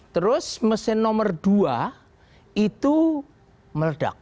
terus mesin nomor dua itu meledak